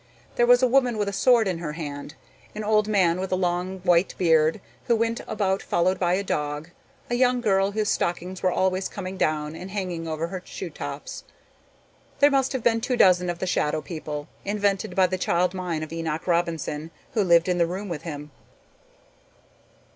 There was a woman with a sword in her hand, an old man with a long white beard who went about followed by a dog, a young girl whose stockings were always coming down and hanging over her shoe tops. There must have been two dozen of the shadow people, invented by the child mind of Enoch Robinson, who lived in the room with him.